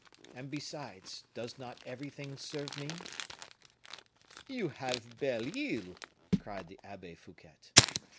"And, besides, does not everything serve me?" "You have Belle Isle," cried the Abbe Fouquet.